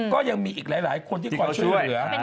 ก็ยังมีอีกหลายคนที่คอยช่วยเหลือ